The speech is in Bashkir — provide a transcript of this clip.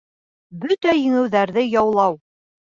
Бөтә еңеүҙәрҙе яулау